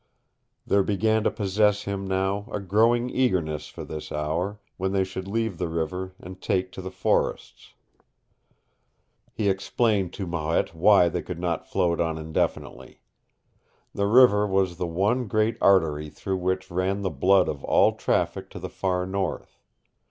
There began to possess him now a growing eagerness for this hour, when they should leave the river and take to the forests. He explained to Marette why they could not float on indefinitely. The river was the one great artery through which ran the blood of all traffic to the far North.